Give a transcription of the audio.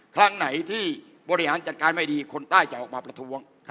ครั้งไหนที่บริหารจัดการไม่ดีคนใต้จะออกมาประท้วง